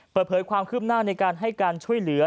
เปิดเผยความคืบหน้าในการให้การช่วยเหลือ